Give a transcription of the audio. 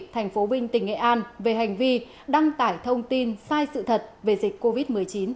thành phố vinh tỉnh nghệ an về hành vi đăng tải thông tin sai sự thật về dịch covid một mươi chín